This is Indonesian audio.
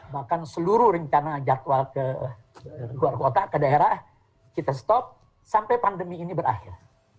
bahkan seluruh rencana jadwal ke luar kota ke daerah kita stop sampai pandemi ini berakhir